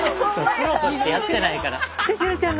プロとしてやってないから。